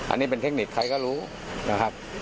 อันนี้เป็นเทคนิคใครก็รู้นะครับ